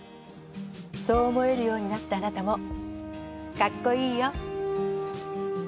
そう思えるようになったあなたもかっこいいよ。